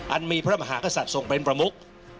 มีพระมหากษัตริย์ทรงเป็นประมุก